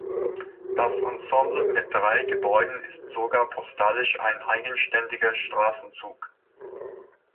Das Ensemble mit drei Gebäuden ist sogar postalisch ein eigenständiger Straßenzug.